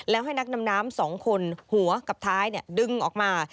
แล้วให้นักดำน้ำ๒คนหัวกับท้ายดึงออกมา